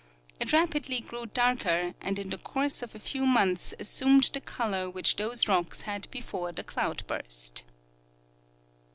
It rapidly grcAV darker, and in the course of a few months assumed the color which those rocks had before the cloud burst."